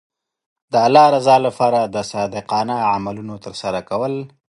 د الله رضا لپاره د صادقانه عملونو ترسره کول.